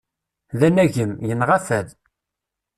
D anagem, yinɣa fad.